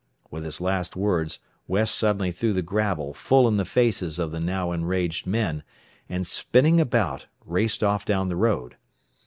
With his last words West suddenly threw the gravel full in the faces of the now enraged men, and spinning about, raced off down the road.